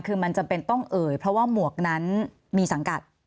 คือมันจำเป็นต้องเอ่ยเพราะว่าหมวกนั้นมีสังกัด